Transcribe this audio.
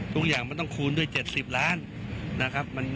ทุกอย่างมันต้องคูณด้วย๗๐ล้านนะครับ